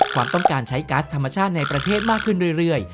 ความต้องการใช้ก๊าซธรรมชาติในประเทศมากขึ้นเรื่อย